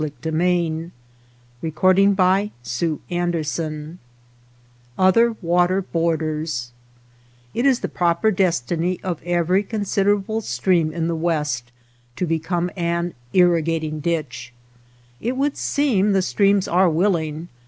221 OTHER WATER BORDERS I OTHER WATER BORDERS T is the proper destiny of every consid erable stream in the west to become an irrisatino^ ditch. It would seem the streams are willing.